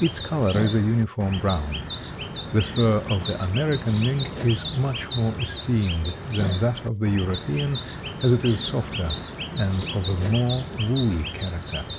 Its color is a uniform brown. The fur of the American mink is much more esteemed than that of the European, as it is softer and of a more woolly character.